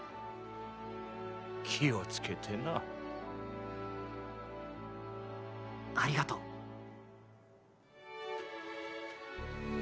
気を付けてな。ありがとうッ！